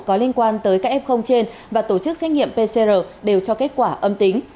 có liên quan tới các f trên và tổ chức xét nghiệm pcr đều cho kết quả âm tính